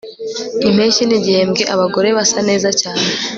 Impeshyi nigihembwe abagore basa neza cyane